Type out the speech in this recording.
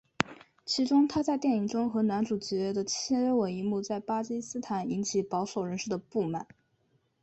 其中她在电影中和男主角的接吻一幕在巴基斯坦引起保守人士的不满。